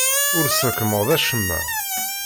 Ur tesrekmeḍ acemma.